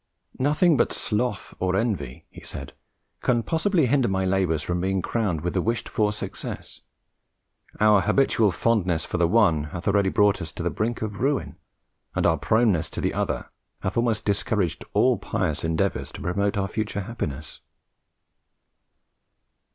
"Nothing but Sloth or Envy," he said, "can possibly hinder my labours from being crowned with the wished for success; our habitual fondness for the one hath already brought us to the brink of ruin, and our proneness to the other hath almost discouraged all pious endeavours to promote our future happiness."